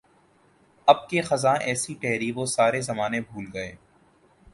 اب کے خزاں ایسی ٹھہری وہ سارے زمانے بھول گئے